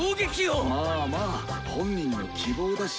まあまあ本人の希望だし。